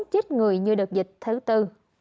chết người như đợt dịch thứ bốn